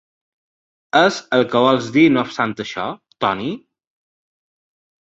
És el que vols dir no obstant això, Toni?